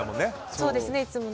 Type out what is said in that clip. そうですね、いつもね。